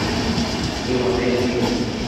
To`y haqida eshitdingmi